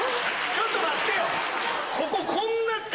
ちょっと待ってよ！